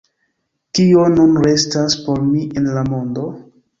Kio nun restas por mi en la mondo?